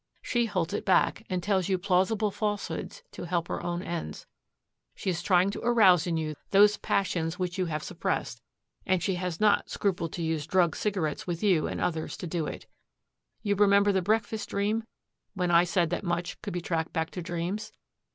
She holds it back and tells you plausible falsehoods to help her own ends. She is trying to arouse in you those passions which you have suppressed, and she has not scrupled to use drugged cigarettes with you and others to do it. You remember the breakfast dream, when I said that much could be traced back to dreams?